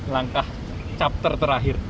langkah chapter terakhir